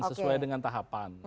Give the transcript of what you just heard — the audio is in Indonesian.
sesuai dengan tahapan